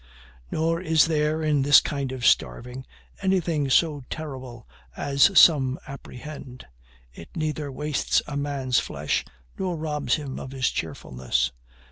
Nor is there in this kind of starving anything so terrible as some apprehend. It neither wastes a man's flesh nor robs him of his cheerfulness.